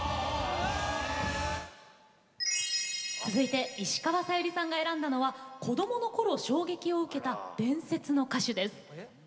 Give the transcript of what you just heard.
そして、石川さゆりさんが選んだのは子どものころ衝撃を受けた伝説の歌手です。